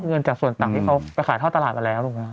เงินจากส่วนตังค์ที่เขาไปขายเท่าตลาดไปแล้วลุงนะครับ